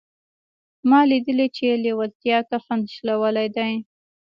ما لیدلي چې لېوالتیا کفن شلولی دی